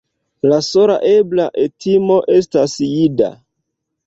La sola ebla etimo estas jida.